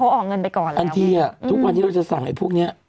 เขาออกเงินไปก่อนทันทีอ่ะทุกวันที่เราจะสั่งไอ้พวกเนี้ย